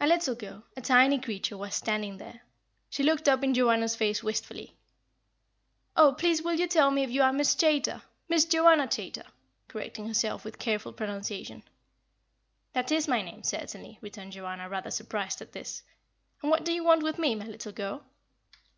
A little girl, a tiny creature, was standing there. She looked up in Joanna's face wistfully. "Oh, please will you tell me if you are Miss Chaytor Miss Joanna Chaytor," correcting herself with careful pronunciation. "That is my name, certainly," returned Joanna, rather surprised at this. "And what do you want with me, my little girl?"